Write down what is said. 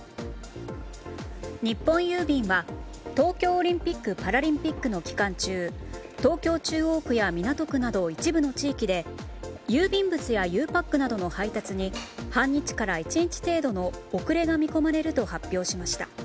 日本郵便は東京オリンピック・パラリンピックの期間中東京・中央区や港区など一部の地域で郵便物やゆうパックなどの配達に半日から１日程度の遅れが見込まれると発表しました。